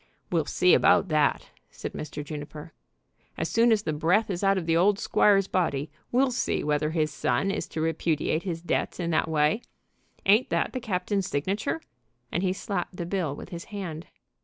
"We'll see about that," said Mr. Juniper. "As soon as the breath is out of the old squire's body we'll see whether his son is to repudiate his debts in that way. Ain't that the captain's signature?" and he slapped the bill with his hand.